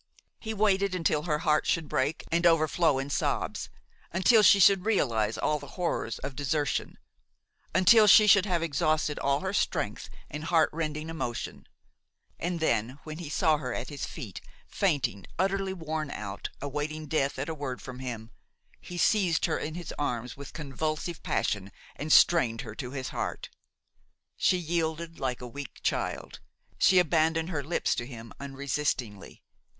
He waited until her heart should break and overflow in sobs, until she should realize all the horrors of desertion–until she should have exhausted all her strength in heart rending emotion; and then, when he saw her at his feet, fainting, utterly worn out, awaiting death at a word from him, he seized her in his arms with convulsive passion and strained her to his heart. She yielded like a weak child; she abandoned her lips to him unresistingly.